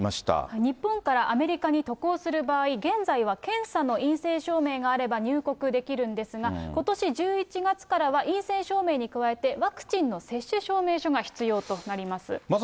日本からアメリカに渡航する場合、現在は検査の陰性証明があれば入国できるんですが、ことし１１月からは陰性証明に加えて、ワクチンの接種証明書が必要となります。